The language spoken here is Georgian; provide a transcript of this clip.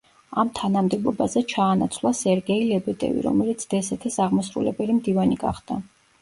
ამ თანამდებობაზე ჩაანაცვლა სერგეი ლებედევი, რომელიც დსთ-ს აღმასრულებელი მდივანი გახდა.